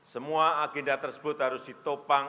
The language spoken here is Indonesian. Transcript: semua agenda tersebut harus ditopang